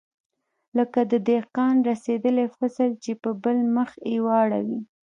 لکه د دهقان رسېدلى فصل چې په بل مخ يې واړوې.